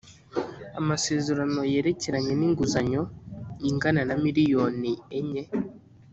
Amasezerano yerekeranye n’inguzanyo ingana na miliyoni enye